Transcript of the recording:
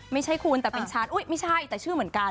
ไม่ใช่คุณเป็นฉันอุ้ยไม่ใช่แต่ชื่อเหมือนกัน